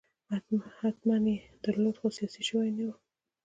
حتماً یې درلود خو سیاسي شوی نه و.